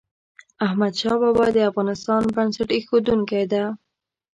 احمد شاه بابا د افغانستان بنسټ ایښودونکی ده.